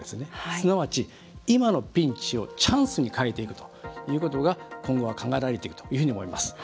すなわち今のピンチをチャンスに変えていくということが今後は考えられていくと思います。